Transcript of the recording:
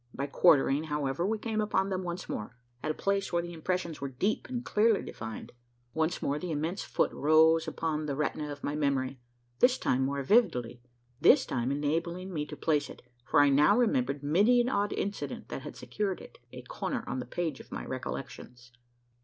By quartering, however, we came upon them once more at a place where the impressions were deep and clearly defined. Once more the immense foot rose upon the retina of my memory this time more vividly this time enabling me to place it: for I now remembered many an odd incident that had secured it a corner on the page of my recollections.